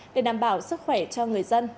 để đảm bảo sức khỏe cho người dân